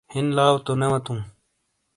ہِین لاؤ تو نے وتو ؟